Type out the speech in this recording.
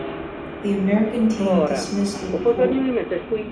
The American team dismissed the report.